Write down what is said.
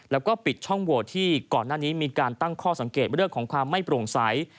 แล้วก็ปิดช่องโหวตที่ก่อนหน้านี้มีการตั้งข้อสังเกตเรื่องของความไม่โปร่งใส